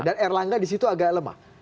dan erlangga disitu agak lemah